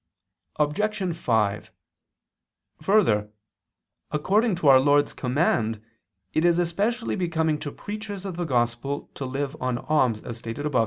Obj. 5: Further, according to our Lord's command it is especially becoming to preachers of the Gospel to live on alms, as stated above (A.